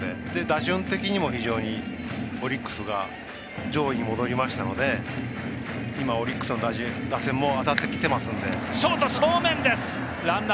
打順的にも非常にオリックスが上位に戻りましたので今、オリックスの打線も当たってきていますので。